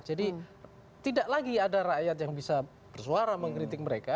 jadi tidak lagi ada rakyat yang bisa bersuara mengkritik mereka